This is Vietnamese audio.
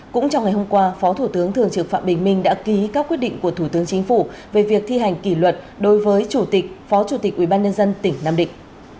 cũng trong ngày hôm qua phó thủ tướng thường trực phạm bình minh đã ký các quyết định của thủ tướng chính phủ về việc thi hành kỷ luật đối với chủ tịch phó chủ tịch ubnd tỉnh nam định